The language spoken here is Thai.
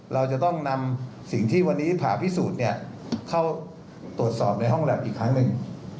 เราจะต้องนำสิ่งที่วันนี้ผ่าพิสูจน์เข้าตรวจสอบในห้องแล็บอีกครั้งหนึ่ง